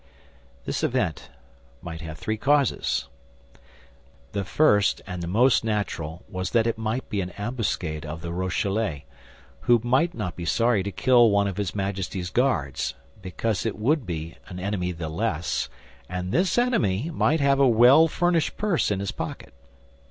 This event might have three causes: The first and the most natural was that it might be an ambuscade of the Rochellais, who might not be sorry to kill one of his Majesty's Guards, because it would be an enemy the less, and this enemy might have a well furnished purse in his pocket.